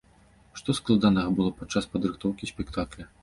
Што складанага было падчас падрыхтоўкі спектакля?